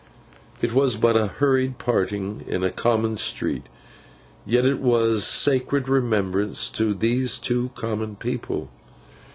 It was but a hurried parting in a common street, yet it was a sacred remembrance to these two common people.